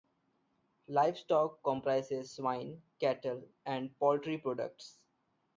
Livestock comprises swine, cattle, and poultry products.